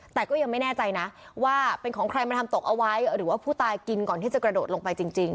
แต่ก็ยังไม่แน่ใจนะว่าเป็นของใครมาทำตกเอาไว้หรือว่าผู้ตายกินก่อนที่จะกระโดดลงไปจริง